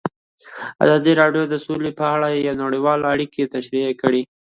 ازادي راډیو د سوله په اړه نړیوالې اړیکې تشریح کړي.